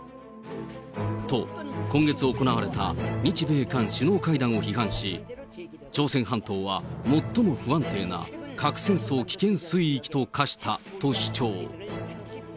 と、今月行われた日米韓首脳会談を批判し、朝鮮半島は最も不安定な核戦争危険水域と化したと主張。